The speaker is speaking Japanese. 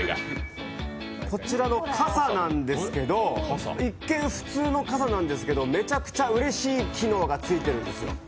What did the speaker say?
こちらの傘なんですけど、一見、普通の傘なんですけど、めちゃくちゃうれしい機能がついているんですよ。